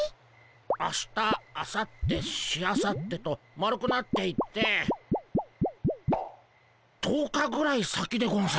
明日あさってしあさってと丸くなっていって１０日ぐらい先でゴンス。